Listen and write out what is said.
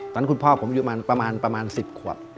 ตอนนั้นคุณพ่อผมอยู่ประมาณ๑๐ขวบ